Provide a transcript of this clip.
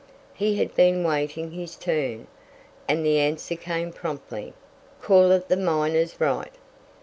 He had been waiting his turn, and the answer came promptly, "Call it the Miner's Right."